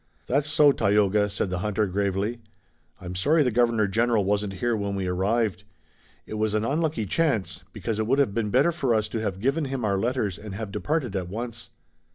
"That's so, Tayoga," said the hunter, gravely, "I'm sorry the Governor General wasn't here when we arrived. It was an unlucky chance, because it would have been better for us to have given him our letters and have departed at once."